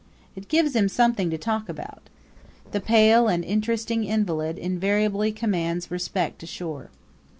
It gives him something to talk about. The pale and interesting invalid invariably commands respect ashore.